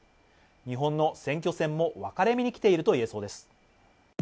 日本の選挙戦も分かれ目にきていると言えそうです。